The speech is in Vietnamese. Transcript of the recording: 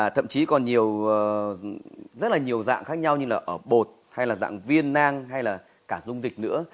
thậm chí còn nhiều rất là nhiều dạng khác nhau như là ở bột hay là dạng viên nang hay là cả dung dịch nữa